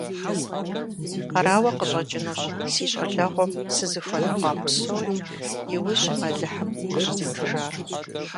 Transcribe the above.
Арауэ къыщӀэкӀынущ си щӀалэгъуэм сызыхуэныкъуа псори иужьым Алыхьым къыщӀызитыжар.